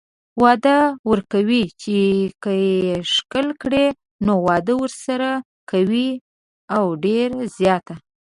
وعده ورکوي چې که يې ښکل کړي نو واده ورسره کوي او ډيره زياته